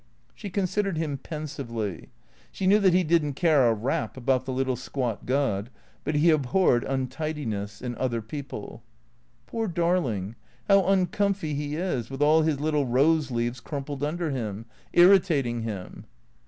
She considered him pensively. She knew that he did n't care a rap about the little squat god, but he abhorred untidiness — in other people. "Poor darling — how uncomfy he is, with all his little rose leaves crumpled under him. Irritating him."